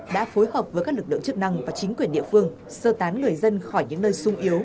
đã phối hợp với các lực lượng chức năng và chính quyền địa phương sơ tán người dân khỏi những nơi sung yếu